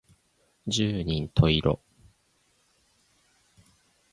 十人十色